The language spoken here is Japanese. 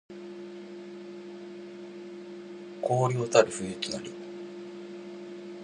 荒涼たる冬となり